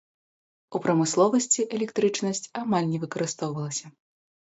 У прамысловасці электрычнасць амаль не выкарыстоўвалася.